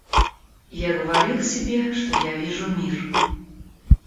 Я говорил себе, что я вижу мир.